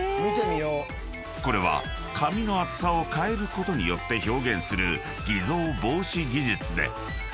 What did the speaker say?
［これは紙の厚さを変えることによって表現する偽造防止技術で］